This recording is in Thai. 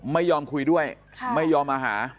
ไม่ยอมคุยด้วยไม่ยอมมาหา